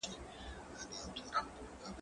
هغه وویل چې زه درس لولم؟